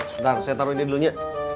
sudah saya taruh ini dulu nyi